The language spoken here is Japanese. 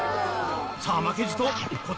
さぁ負けじとこ